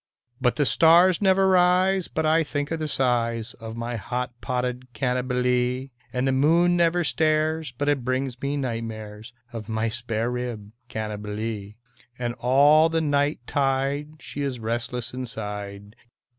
But the stars never rise but I think of the size Of my hot potted Cannibalee, And the moon never stares but it brings me night mares Of my spare rib Cannibalee; And all the night tide she is restless inside.